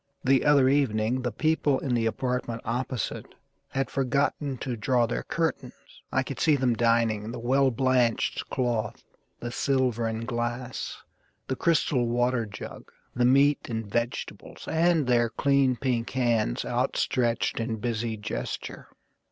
The other evening the people in the apartment opposite Had forgotten to draw their curtains. I could see them dining: the well blanched cloth, The silver and glass, the crystal water jug, The meat and vegetables; and their clean pink hands Outstretched in busy gesture.